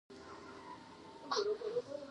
باران د افغانستان د چاپیریال ساتنې لپاره مهم دي.